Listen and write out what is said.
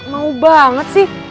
mau banget sih